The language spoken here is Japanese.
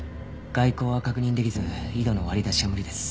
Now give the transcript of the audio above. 外光は確認できず緯度の割り出しは無理です。